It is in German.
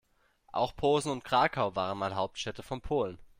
Auch Posen und Krakau waren mal Hauptstädte von Polen.